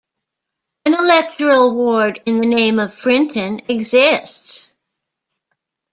An electoral ward in the name of Frinton exists.